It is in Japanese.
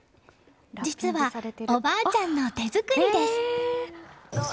実は、おばあちゃんの手作りです。